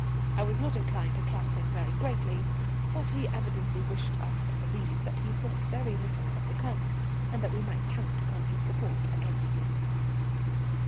I was not inclined to trust him very greatly, but he evidently wished us to believe that he thought very little of the Colonel, and that we might count upon his support against him.